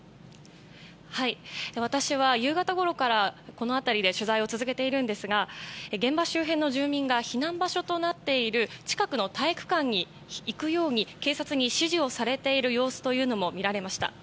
私は、夕方ごろからこの辺りで取材を続けているんですが現場周辺の住民が避難場所となっている近くの体育館に行くように警察に指示をされている様子というのも見られました。